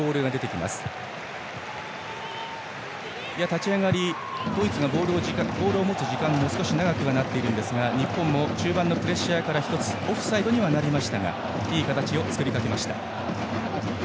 立ち上がり、ドイツがボールを持つ時間が少し長くなっていますが日本も中盤のプレッシャーから１つオフサイドにはなりましたがいい形を作りかけました。